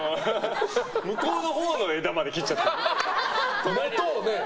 向こうのほうの枝まで切っちゃったり。